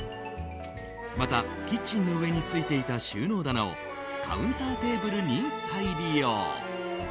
また、キッチンの上についていた収納棚をカウンターテーブルに再利用。